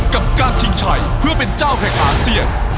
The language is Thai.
กับการชิงชัยเพื่อเป็นเจ้าแห่งอาเซียน